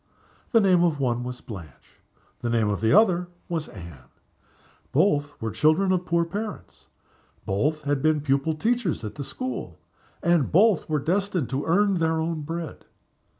The name of one was Blanche. The name of the other was Anne. Both were the children of poor parents, both had been pupil teachers at the school; and both were destined to earn their own bread.